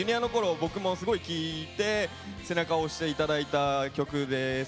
僕もすごく聴いて背中を押していただいた曲です。